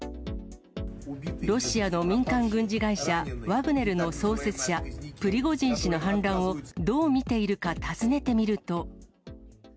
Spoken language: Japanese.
ロシアの民間軍事会社、ワグネルの創設者、プリゴジン氏の反乱をどう見ているか、尋ねてみると。